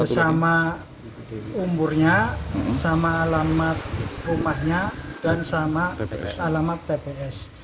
sama umurnya sama alamat rumahnya dan sama alamat tps